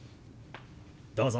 どうぞ。